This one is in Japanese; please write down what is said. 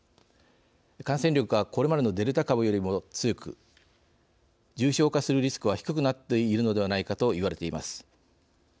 感染力がこれまでのデルタ株よりも強く重症化するリスクは低くなっているのではないかと言われています。